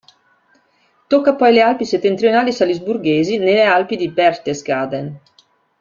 Tocca poi le Alpi Settentrionali Salisburghesi nelle Alpi di Berchtesgaden.